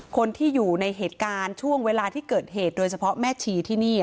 คนที่อยู่ในเหตุการณ์ช่วงเวลาที่เกิดเหตุโดยเฉพาะแม่ชีที่นี่